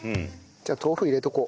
じゃあ豆腐入れておこう。